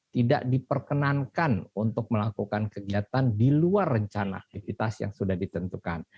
tidak diperkenankan untuk melakukan kegiatan di luar rencana aktivitas yang sudah ditentukan